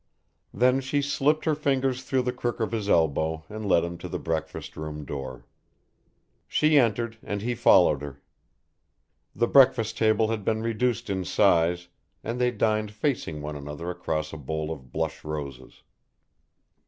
Then she slipped her fingers through the crook of his elbow and led him to the breakfast room door. She entered and he followed her. The breakfast table had been reduced in size and they dined facing one another across a bowl of blush roses.